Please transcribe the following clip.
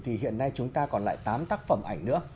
thì hiện nay chúng ta còn lại tám tác phẩm ảnh nữa